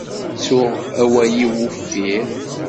Ttuɣ awal-iw uffir.